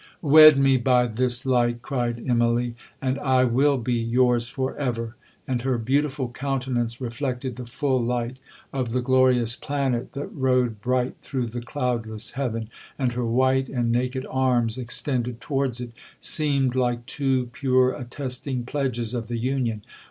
'Wed me by this light,' cried Immalee, 'and I will be yours for ever!' And her beautiful countenance reflected the full light of the glorious planet that rode bright through the cloudless heaven—and her white and naked arms, extended towards it, seemed like two pure attesting pledges of the union.